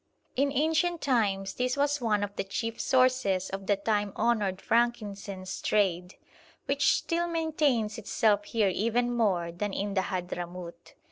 In ancient times this was one of the chief sources of the time honoured frankincense trade, which still maintains itself here even more than in the Hadhramout.